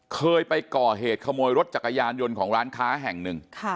เคยไปก่อเหตุขโมยรถจักรยานยนต์ของร้านค้าแห่งหนึ่ง